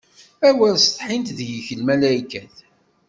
Awer setḥint deg-k lmalaykat!